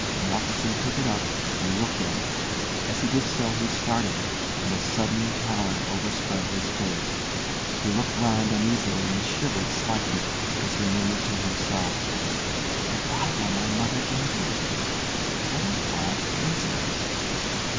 Malcolmson took it up and looked at it. As he did so he started, and a sudden pallor overspread his face. He looked round uneasily and shivered slightly, as he murmured to himself: "The Bible my mother gave me! What an odd coincidence."